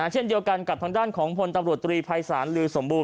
เช่นเดียวกันกับทางด้านของพลตำรวจตรีภัยศาลลือสมบูร